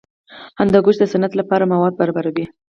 هندوکش د صنعت لپاره مواد برابروي.